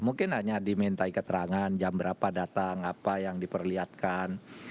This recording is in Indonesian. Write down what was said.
mungkin hanya dimintai keterangan jam berapa datang apa yang diperlihatkan